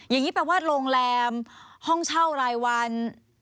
อย่างนี้แปลว่าโรงแรมห้องเช่ารายวัน